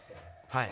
はい。